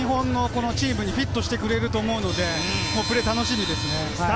きっと日本のチームにフィットしてくれると思うので、楽しみですね。